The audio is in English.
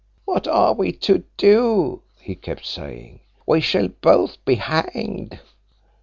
'What are we to do?' he kept saying. 'We shall both be hanged.'